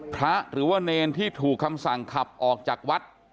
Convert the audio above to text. หรือว่าเนรที่ถูกคำสั่งขับออกจากวัด